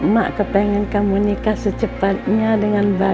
mak kepingin kamu nikah recepetnya dengan bagia